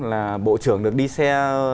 là bộ trưởng được đi xe